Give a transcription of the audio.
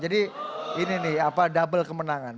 jadi ini nih double kemenangan